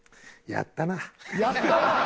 「やったな」！？